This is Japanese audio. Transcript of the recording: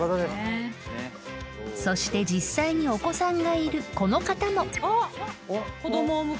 ［そして実際にお子さんがいるこの方も］あっ！